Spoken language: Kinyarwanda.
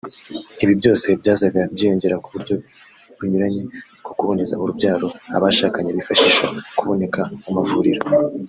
Ibi byose byazaga byiyongera ku buryo bunyuranye bwo kuboneza urubyaro abashakanye bifashisha buboneka mu mavuriro